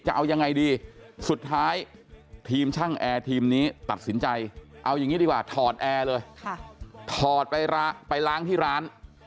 จะเอายังไงดีสุดท้ายทีมช่างแอร์ทีมนี้ตัดสินใจเอาอย่างนี้ดีกว่าถอดแอร์เลยถอดไปล้างที่ร้าน